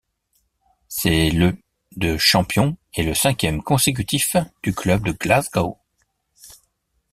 C’est le de champion et le cinquième consécutif du club de Glasgow.